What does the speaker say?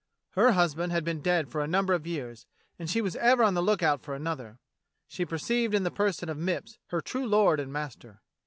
Her husband had been dead for a number of years, and she was ever on the lookout for another. She perceived in the person of Mipps her true lord and master.